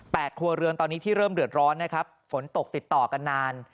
ครัวเรือนตอนนี้ที่เริ่มเดือดร้อนนะครับฝนตกติดต่อกันนาน